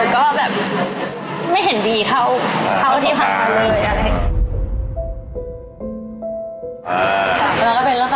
ก็แบบไม่เห็นดีเท่าที่ผ่านมาเลย